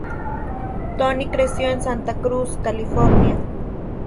Tony creció en Santa Cruz, California.